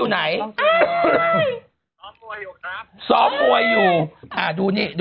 ไหนไหน